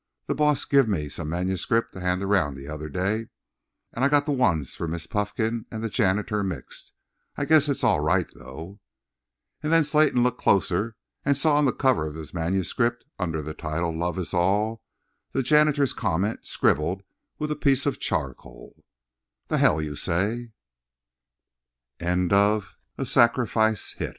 The boss give me some manuscript to hand around the other day and I got the ones for Miss Puffkin and the janitor mixed. I guess it's all right, though." And then Slayton looked closer and saw on the cover of his manuscript, under the title "Love Is All," the janitor's comment scribbled with a piece of charc